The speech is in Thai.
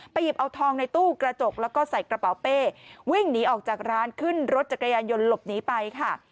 หยิบเอาทองในตู้กระจกแล้วก็ใส่กระเป๋าเป้วิ่งหนีออกจากร้านขึ้นรถจักรยานยนต์หลบหนีไปค่ะ